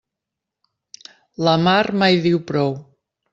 La mar mai diu prou.